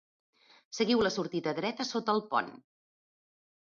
Seguiu la sortida dreta sota el pont.